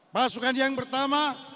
pasukan yang pertama